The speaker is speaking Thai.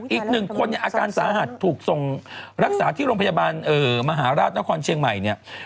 อีกหนึ่งคนเนี่ยอาการสาหัสถูกส่งรักษาที่โรงพยาบาลมหาราชนครเชียงใหม่เนี่ย